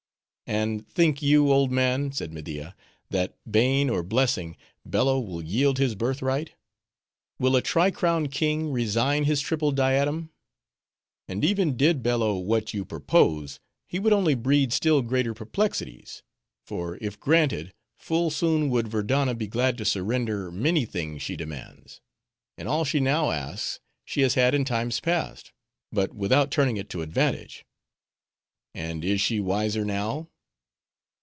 "And think you, old man," said Media, "that, bane or blessing, Bello will yield his birthright? Will a tri crowned king resign his triple diadem? And even did Bello what you propose he would only breed still greater perplexities. For if granted, full soon would Verdanna be glad to surrender many things she demands. And all she now asks, she has had in times past; but without turning it to advantage:—and is she wiser now?"